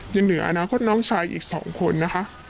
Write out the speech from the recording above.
อยู่เหนืออนาคตน้องชายอีกสองคนนะคะ